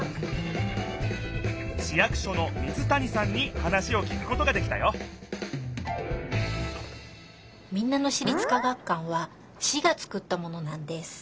市役所の水谷さんに話をきくことができたよ民奈野市立科学館は市がつくったものなんです。